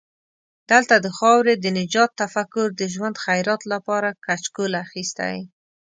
دلته د خاورې د نجات تفکر د ژوند خیرات لپاره کچکول اخستی.